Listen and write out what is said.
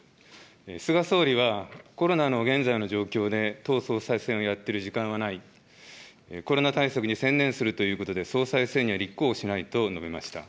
菅総理は、コロナの現在の状況で党総裁選をやっている時間はない、コロナ対策に専念するということで、総裁選には立候補しないと述べました。